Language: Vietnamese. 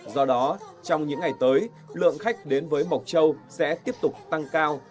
do đó trong những ngày tới lượng khách đến với mộc châu sẽ tiếp tục tăng cao